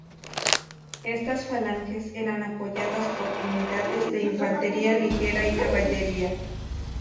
Estas falanges eran apoyadas por unidades de infantería ligera y caballería.